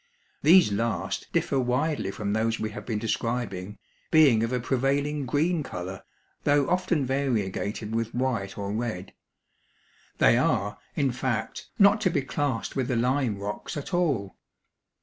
These last differ widely from those we have been describing, being of a prevailing green color, though often variegated with white or red. They are, in fact, not to be classed with the lime rocks at all.